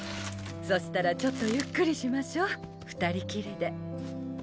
そしたらちょっとゆっくりしましょう２人きりで。